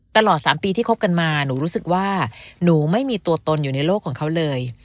ตลอด๓ปีที่คบกันมาหนูรู้สึกว่าหนูไม่มีตัวตนอยู่ในโลกของเขาเลย